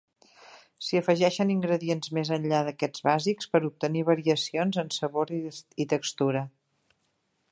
S'hi afegeixen ingredients més enllà d'aquests bàsics per obtenir variacions en sabor i textura.